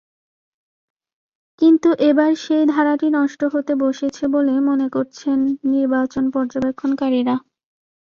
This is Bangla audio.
কিন্তু এবার সেই ধারাটি নষ্ট হতে বসেছে বলে মনে করছেন নির্বাচন পর্যবেক্ষণকারীরা।